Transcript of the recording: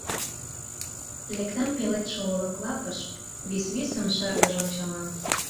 Лектам пеледше олык лапыш, Висвисым шыргыж ончалам.